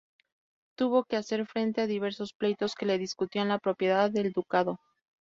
Tuvo que hacer frente a diversos pleitos que le discutían la propiedad del ducado.